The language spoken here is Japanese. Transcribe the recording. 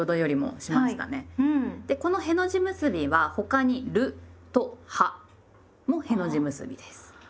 でこの「への字結び」は他に「る」と「は」もへの字結びです。